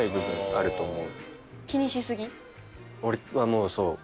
俺はもうそう。